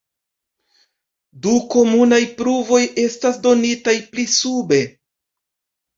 Du komunaj pruvoj estas donitaj pli sube.